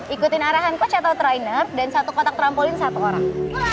ikutin arahan coach atau trainer dan satu kotak trampolin satu orang